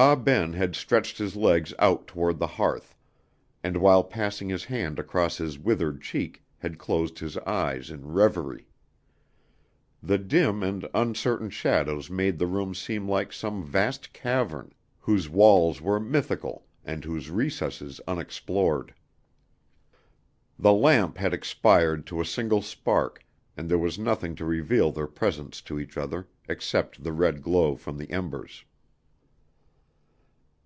Ah Ben had stretched his legs out toward the hearth, and while passing his hand across his withered cheek, had closed his eyes in reverie. The dim and uncertain shadows made the room seem like some vast cavern, whose walls were mythical and whose recesses unexplored. The lamp had expired to a single spark, and there was nothing to reveal their presence to each other except the red glow from the embers.